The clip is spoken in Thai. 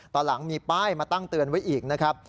ตอนหลังมีป้ายมาตั้งเตือนไว้อีกนะครับ